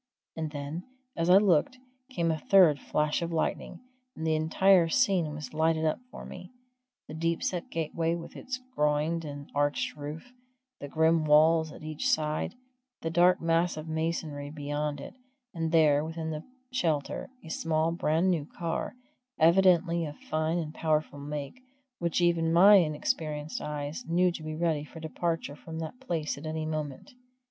And then, as I looked, came a third flash of lightning, and the entire scene was lighted up for me the deep set gateway with its groined and arched roof, the grim walls at each side, the dark massive masonry beyond it, and there, within the shelter, a small, brand new car, evidently of fine and powerful make, which even my inexperienced eyes knew to be ready for departure from that place at any moment.